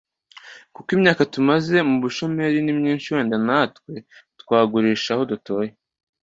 kuko imyaka tumaze mu bushomeri ni myinshi wenda natwe twagurisha aho dutuye